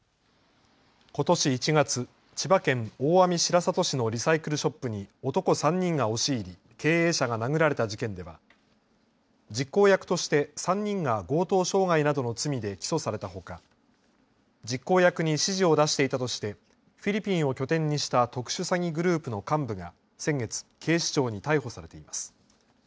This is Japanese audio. ことし１月、千葉県大網白里市のリサイクルショップに男３人が押し入り経営者が殴られた事件では実行役として３人が強盗傷害などの罪で起訴されたほか実行役に指示を出していたとしてフィリピンを拠点にした特殊詐欺グループの幹部が先月、警視庁に逮捕されています。